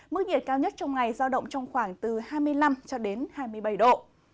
mức nhiệt cao nhất trong ngày giao động trong khoảng từ hai mươi năm hai mươi bảy độ